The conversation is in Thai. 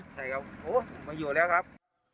แต่ว่าโอ้โฮมาอยู่แล้วครับ